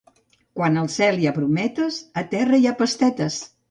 Quan al cel hi ha brometes, a terra hi ha pastetes.